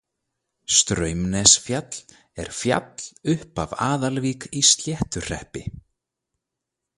Straumnesfjall er fjall upp af Aðalvík í Sléttuhreppi.